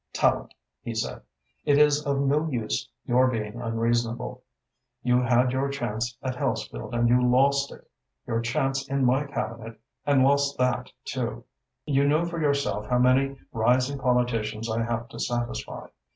"Tallente," he said, "it is of no use your being unreasonable. You had your chance at Hellesfield and you lost it; your chance in my Cabinet and lost that too. You know for yourself how many rising politicians I have to satisfy.